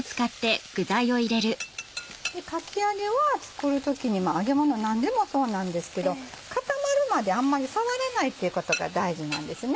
かき揚げは作る時に揚げもの何でもそうなんですけど固まるまであんまり触らないっていうことが大事なんですね。